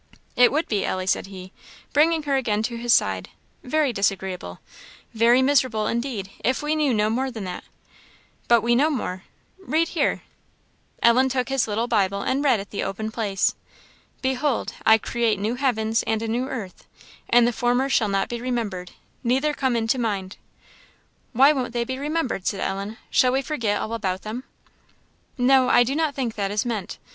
"It would be, Ellie," said he, bringing her again to his side "very disagreeable very miserable indeed, if we knew no more than that. But we know more read here." Ellen took his little Bible and read at the open place. " 'Behold, I create new heavens and a new earth, and the former shall not be remembered, neither come into mind.' " "Why won't they be remembered?" said Ellen "shall we forget all about them?" "No, I do not think that is meant.